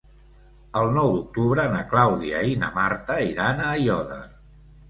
El nou d'octubre na Clàudia i na Marta iran a Aiòder.